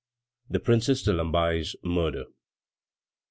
THE PRINCESS DE LAMBALLE'S MURDER.